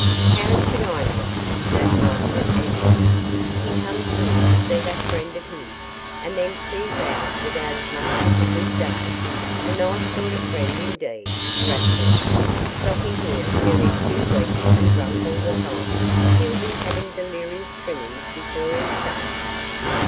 'How should I know?' snapped Martha, angrily, 'he comes here to see that friend of his, and then clears out without as much as a good day; a nice sort of friend, indeed,' wrathfully, 'stopping here nearly two weeks and drunk all the time; he'll be having delirious trimmings before he's done.